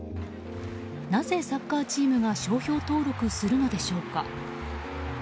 なぜサッカーチームが商標登録するのでしょうか。